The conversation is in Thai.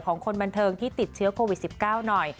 คนบันเทิงที่ติดเชื้อโควิด๑๙หน่อย